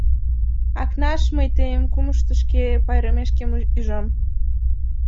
— Акнаш, мый тыйым кумышто шке пайремышкем ӱжам.